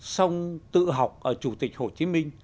xong tự học ở chủ tịch hồ chí minh